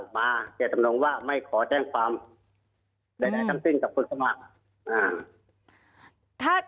เจตจำนงว่าไม่ขอแจ้งความใดทั้งสิ้นกับคนสมัคร